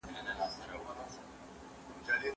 هیلې به ستا په زړه کي پاتې سي.